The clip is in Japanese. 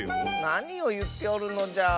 なにをいっておるのじゃ。